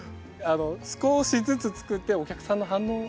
少しずつつくってお客さんの反応を。